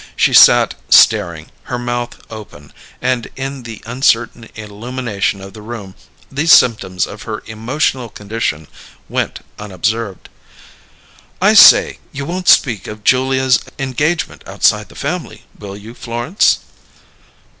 She sat staring, her mouth open, and in the uncertain illumination of the room these symptoms of her emotional condition went unobserved. "I say, you won't speak of Julia's engagement outside the family, will you, Florence?"